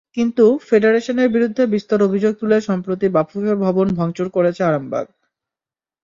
কিন্তু ফেডারেশনের বিরুদ্ধে বিস্তর অভিযোগ তুলে সম্প্রতি বাফুফে ভবন ভাঙচুর করেছে আরামবাগ।